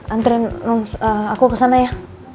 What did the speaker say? antriin aku kesana ya